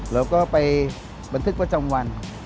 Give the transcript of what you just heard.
แล้วก็ไปบันทึกประจำวัน